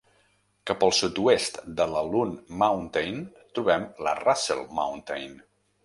Cap al sud-oest de la Loon Mountain trobem la Russell Mountain.